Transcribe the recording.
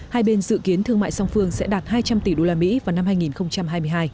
hai bên dự kiến thương mại song phương sẽ đạt hai trăm linh tỷ usd vào năm hai nghìn hai mươi hai